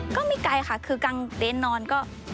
ก็ไม่ไกลค่ะคือกลางเต็นต์นอนก็